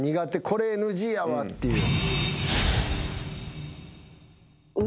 これＮＧやわっていう。